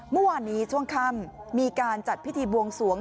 เมื่อวานนี้ช่วงค่ำมีการจัดพิธีบวงสวง